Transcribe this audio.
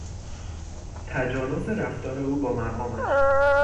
تجانس رفتار او با مقامش